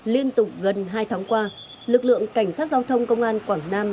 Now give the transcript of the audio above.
liên tục gần hai tháng qua lực lượng cảnh sát giao thông công an quảng nam